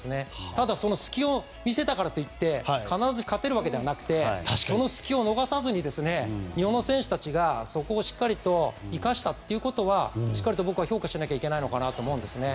ただその隙を見せたからといって必ず勝てるわけではなくてその隙を逃さずに日本の選手たちがそこをしっかりと生かしたということはしっかりと僕は評価しないといけないかなと思うんですね。